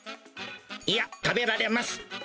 いや、食べられます。